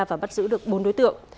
và bắt giữ được bốn đối tượng